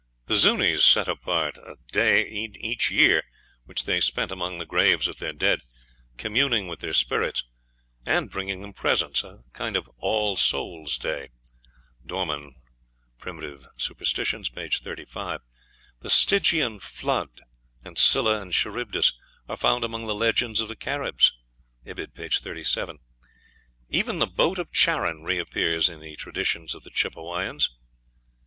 The Zuñis set apart a day in each year which they spent among the graves of their dead, communing with their spirits, and bringing them presents a kind of All souls day. (Dorman, "Prim. Superst.," p. 35.) The Stygian flood, and Scylla and Charybdis, are found among the legends of the Caribs. (Ibid., p. 37.) Even the boat of Charon reappears in the traditions of the Chippewayans.